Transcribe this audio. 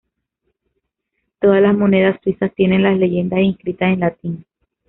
Todas las monedas suizas tienen las leyendas inscritas en latín.